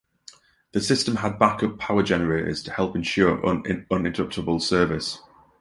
The system had back-up power generators to help ensure un-interruptible service.